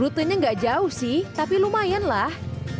rutenya gak jauh sih tapi lumayan lah